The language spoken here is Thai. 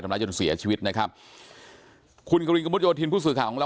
ร้ายจนเสียชีวิตนะครับคุณกวินกระมุดโยธินผู้สื่อข่าวของเรา